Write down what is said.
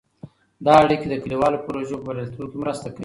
دا اړیکې د کلیوالو پروژو په بریالیتوب کې مرسته کوي.